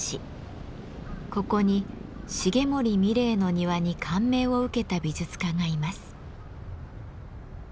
ここに重森三玲の庭に感銘を受けた美術家がいます。